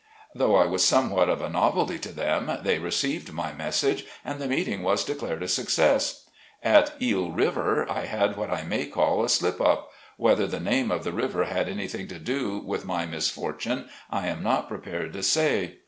Though I was somewhat of a novelty to them, they received my message, and the meeting was declared a success. At Eel River, I had what I may call a slip up — whether the name of the river had any CHURCH WORK. 49 thing to do with my misfortune I am not prepared to say.